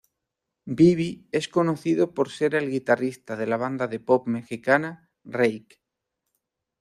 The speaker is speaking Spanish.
Bibi es conocido por ser el guitarrista de la banda de pop mexicana "Reik".